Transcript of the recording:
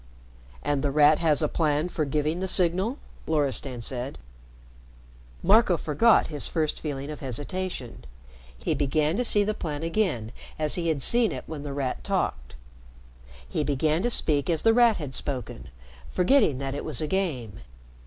"And The Rat has a plan for giving the signal?" Loristan said. Marco forgot his first feeling of hesitation. He began to see the plan again as he had seen it when The Rat talked. He began to speak as The Rat had spoken, forgetting that it was a game.